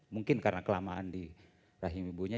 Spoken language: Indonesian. mungkin karena kelamaan di rumah